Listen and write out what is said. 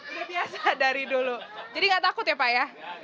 udah biasa dari dulu jadi nggak takut ya pak ya